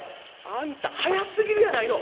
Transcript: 「あんた早すぎるやないの！